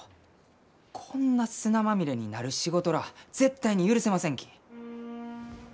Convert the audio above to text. こんな砂まみれになる仕事らあ絶対に許せませんき。